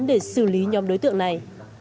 để xử lý nhóm đối tượng này